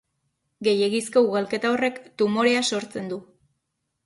Gehiegizko ugalketa horrek tumorea sortzen du.